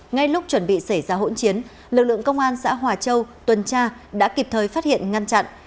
ngay lúc chuẩn bị xảy ra hỗn chiến lực lượng công an xã hòa châu tuần tra đã kịp thời phát hiện ngăn chặn